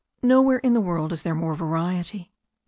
Nowhere in the world is there more variety.